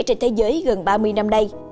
trên thế giới gần ba mươi năm nay